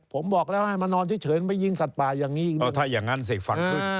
ผมบอกแล้วให้มานอนที่เฉินไปยิงสัตว์ป่ายังงี้อีกหนึ่ง